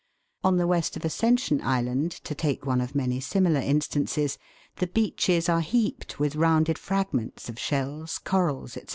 On the west of Ascension Island, to take one of many similar instances, the beaches are heaped with rounded fragments of shells, corals, &c.